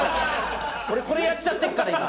俺これやっちゃってっから今。